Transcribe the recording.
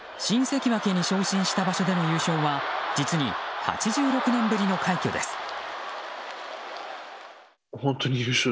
新関脇に昇進した場所での優勝は実に８６年ぶりの快挙です。